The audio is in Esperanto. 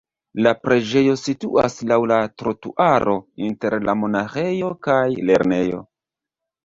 La preĝejo situas laŭ la trotuaro inter la monaĥejo kaj lernejo.